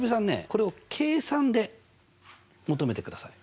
これを計算で求めてください。